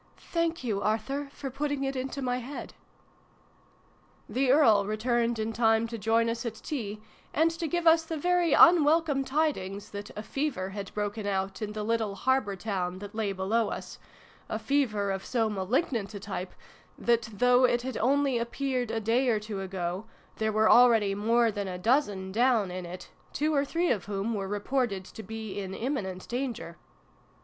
" Thank you Arthur, for putting it into my head !" The Earl returned in time to join us at tea, and to give us the very unwelcome tidings that a fever had broken out in the little harbour town that lay below us a fever of so malig nant a type that, though it had only appeared a day or two ago, there were already more than a dozen down in it, two or three of whom were reported to be in imminent danger.